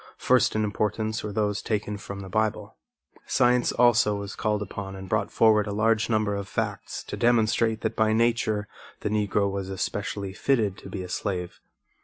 First in importance were those taken from the Bible. Science also was called upon and brought forward a large number of facts to demonstrate that by nature the Negro was especially fitted to be a slave.